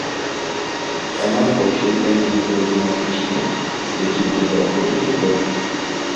Амаль па ўсёй краіне пройдзе мокры снег, які будзе пераходзіць у дождж.